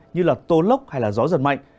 như là tố lốc hay là gió giật mạnh